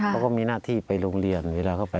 เขาก็มีหน้าที่ไปโรงเรียนเวลาเขาไป